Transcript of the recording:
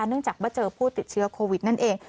เนื่องจากว่าเจอผู้ติดเชื้อโควิดนั่นเอง